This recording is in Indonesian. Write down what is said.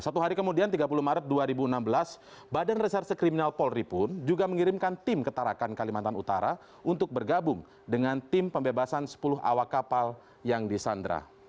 satu hari kemudian tiga puluh maret dua ribu enam belas badan reserse kriminal polri pun juga mengirimkan tim ketarakan kalimantan utara untuk bergabung dengan tim pembebasan sepuluh awak kapal yang disandra